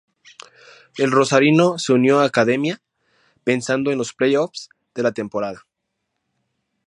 El rosarino se unió a Academia pensando en los playoffs de la temporada.